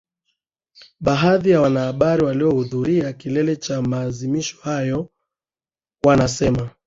Baadhi ya wanahabari waliohudhuria kilele cha maadhimisho hayo wanasema